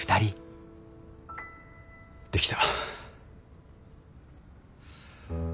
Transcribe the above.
できた。